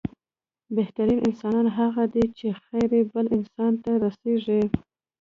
بهترين انسان هغه دی چې، خير يې بل انسان ته رسيږي.